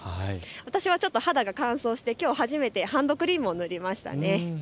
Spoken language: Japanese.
私はちょっと肌が乾燥して初めてハンドクリームを塗りました。